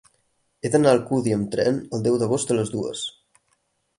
He d'anar a Alcúdia amb tren el deu d'agost a les dues.